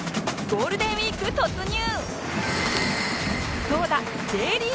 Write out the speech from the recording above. ゴールデンウィーク突入！